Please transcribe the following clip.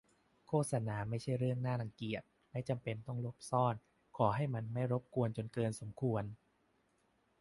โฆษณาไม่ใช่เรื่องน่ารังเกียจ ไม่จำเป็นต้องหลบซ่อน ขอให้มันไม่รบกวนจนเกินสมควร